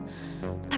ini wc tuh